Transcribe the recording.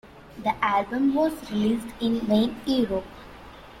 The album was released in main Europe.